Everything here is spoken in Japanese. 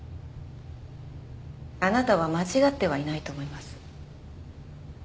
あなたは間違ってはいないと思います。